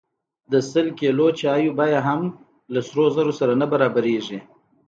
د سل کیلو چای بیه هم له سرو زرو سره نه برابریږي.